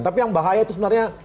tapi yang bahaya itu sebenarnya